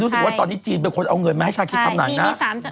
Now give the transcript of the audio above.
รู้สึกว่าตอนนี้จีนเป็นคนเอาเงินมาให้ชาคิดทำหนังนะ